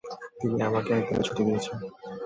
তিনি আমাকে একদিনের ছুটি দিয়েছেন।